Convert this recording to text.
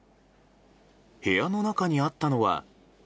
部屋の中にあったのは。